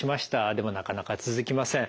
でもなかなか続きません。